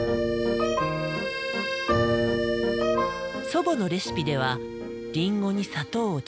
祖母のレシピではリンゴに砂糖を直接かける。